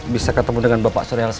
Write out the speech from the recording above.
bisa ketemu dengan bapak surya alsemana